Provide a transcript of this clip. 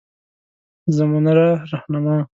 زمونره رهنما